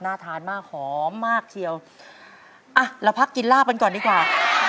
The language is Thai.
ทานมากหอมมากเชียวอ่ะเราพักกินลาบกันก่อนดีกว่า